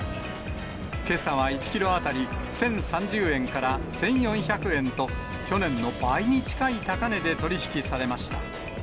けさは１キロ当たり１０３０円から１４００円と、去年の倍に近い高値で取り引きされました。